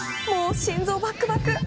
もう心臓、バックバク！